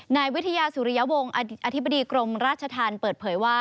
นายวิทยาสุริยวงศ์อธิบดีกรมราชธรรมเปิดเผยว่า